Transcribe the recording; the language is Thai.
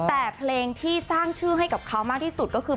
แต่เพลงที่สร้างชื่อให้กับเขามากที่สุดก็คือ